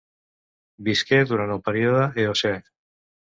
Visqué durant el període Eocè.